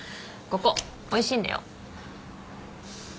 ここおいしいんだよ。